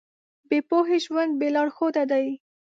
بې پوهې ژوند بې لارښوده دی.